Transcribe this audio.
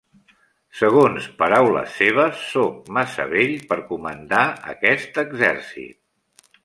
Segons paraules seves, sóc massa vell per comandar aquest exèrcit.